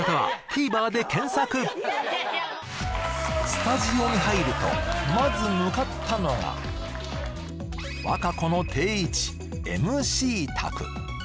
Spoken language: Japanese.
スタジオに入るとまず向かったのが和歌子の定位置ＭＣ卓